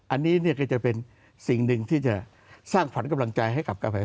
อันนี้ก็จะเป็นสิ่งหนึ่งที่จะสร้างขวัญกำลังใจให้กับกาแฟ